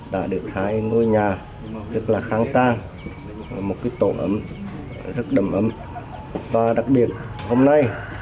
đã được hai ngôi nhà rất là khang trang một cái tổ ấm rất đầm ấm và đặc biệt hôm nay